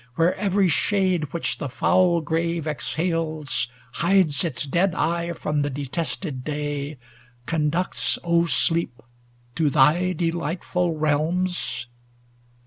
Where every shade which the foul grave exhales Hides its dead eye from the detested day, Conducts, O Sleep, to thy delightful realms?